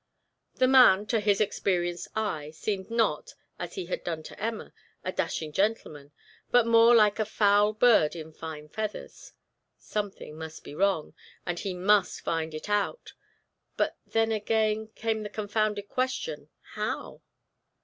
The man, to his experienced eye, seemed not, as he had done to Emma, a dashing gentleman, but more like a foul bird in fine feathers. Something must be wrong, and he must find it out but, then, again came that confounded question, how?